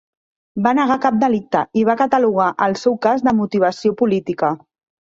Va negar cap delicte i va catalogar el seu cas de motivació política.